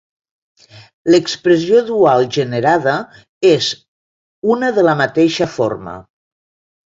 L'expressió dual generada és una de la mateixa forma.